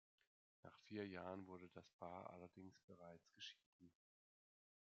Nach vier Jahren wurde das Paar allerdings bereits geschieden.